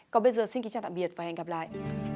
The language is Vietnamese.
còn bây giờ xin kính chào tạm biệt và hẹn gặp lại